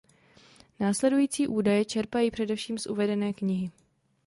Následující údaje čerpají především z uvedené knihy.